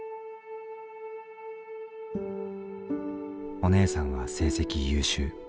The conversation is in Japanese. お姉さんは成績優秀。